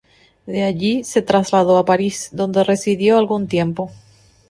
De allí se trasladó a París, donde residió algún tiempo.